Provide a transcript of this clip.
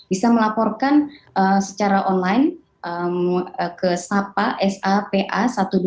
bisa melaporkan secara online ke sapa sapa satu ratus dua puluh